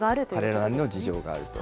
彼らなりの事情があると。